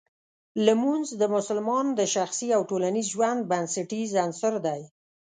لمونځ د مسلمان د شخصي او ټولنیز ژوند بنسټیز عنصر دی.